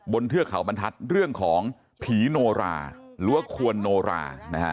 เทือกเขาบรรทัศน์เรื่องของผีโนราหรือว่าควรโนรานะฮะ